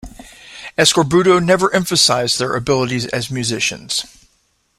Eskorbuto never emphasized their abilities as musicians.